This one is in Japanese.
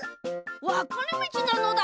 わかれみちなのだ。